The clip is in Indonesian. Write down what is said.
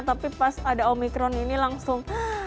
tapi pas ada omikron ini langsung